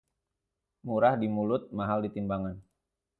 Murah di mulut mahal di timbangan